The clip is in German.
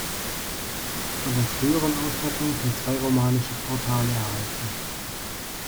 Von der früheren Ausstattung sind zwei romanische Portale erhalten.